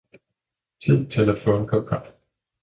Tid til at få en kop kaffe